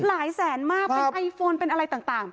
หลายแสนมากเป็นไอโฟนเป็นอะไรต่าง